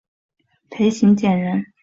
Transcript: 裴行俭人。